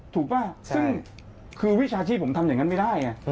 ป่ะซึ่งคือวิชาชีพผมทำอย่างนั้นไม่ได้ไง